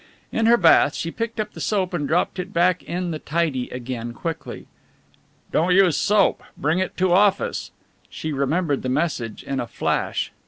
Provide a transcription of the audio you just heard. In her bath she picked up the soap and dropped it back in the tidy again quickly. "Don't use soap; bring it to office." She remembered the message in a flash.